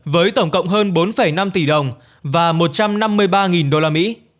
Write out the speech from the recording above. với tổng cộng hơn bốn năm tỷ đồng và một trăm năm mươi ba đô la mỹ